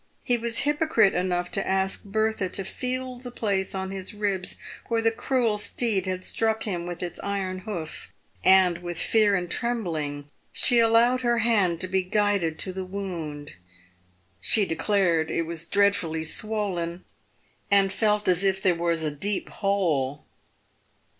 He was hypocrite enough to ask Bertha to feel the place on his ribs where the cruel steed had struck him with its iron hoof, and, with fear and trembling, she allowed her hand to be guided to the wound.. She de clared it was dreadfully swollen, and felt as if there was a deep hole.